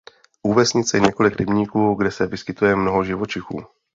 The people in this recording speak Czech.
U vesnice je několik rybníků kde se vyskytuje mnoho živočichů.